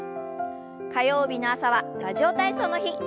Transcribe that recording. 火曜日の朝は「ラジオ体操」の日。